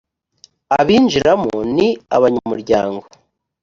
abinjiramo ni abanyamuryango